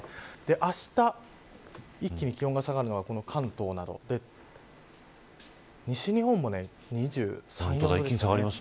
あした、一気に気温が下がるのは関東など西日本も２３、２４度くらい。